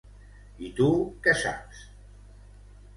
I tu, què saps?